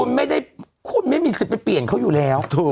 คุณไม่ได้คุณไม่มีสิทธิ์ไปเปลี่ยนเขาอยู่แล้ว